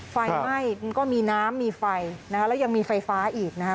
ไฟไหม้มันก็มีน้ำมีไฟนะคะแล้วยังมีไฟฟ้าอีกนะคะ